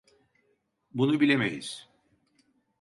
Bunu bilemeyiz.